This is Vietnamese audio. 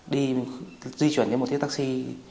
đi di chuyển với một chiếc taxi